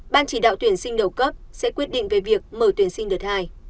ban chỉ đạo tuyển sinh đầu cấp sẽ quyết định về việc mở tuyển sinh đợt hai